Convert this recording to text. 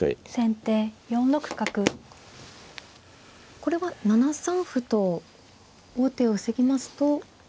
これは７三歩と王手を防ぎますと。